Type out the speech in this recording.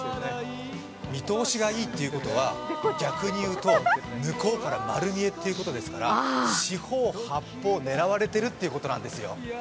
見通しがいいということは逆に言うと、向こうから丸見えってことですから、四方八方狙われてるってことなんですよ。